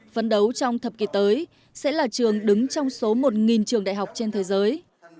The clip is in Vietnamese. phấn đấu trong thập kỷ tới sẽ là trường đứng trong số một trường đại học trên thế giới